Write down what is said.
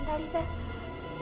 nanti aku lihat